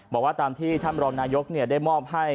บอกว่าตามที่ท่านรองนายกได้มอบให้